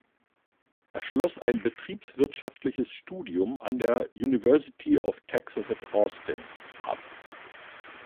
Er schloss ein betriebswirtschaftliches Studium an der University of Texas at Austin ab.